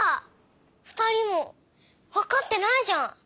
ふたりもわかってないじゃん。